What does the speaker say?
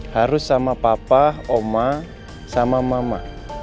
harus sama papa oma sama mama